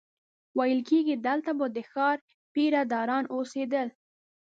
ویل کېږي دلته به د ښار پیره داران اوسېدل.